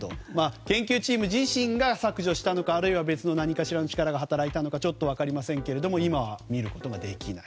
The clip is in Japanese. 研究チーム自身が削除したのかあるいは別の何かしらの力が働いたのか分かりませんけれども今は見ることができない。